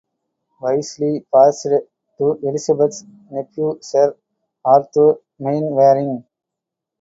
Wisley passed to Elizabeth's nephew Sir Arthur Mainwaring.